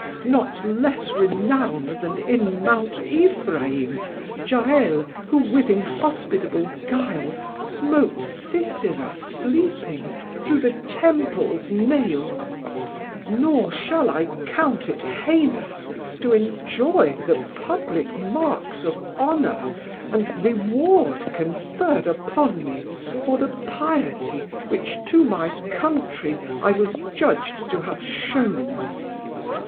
Not less renown'd then in Mount Ephraim, Jael who with inhospitable guile Smote Sisera sleeping through the Temples nail'd. 990 Nor shall I count it hainous to enjoy The public marks of honour and reward Conferr'd upon me, for the piety Which to my countrey I was judg'd to have shewn.